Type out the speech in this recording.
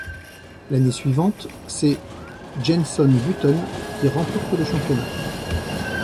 L'année suivante, c'est Jenson Button qui remporte le championnat.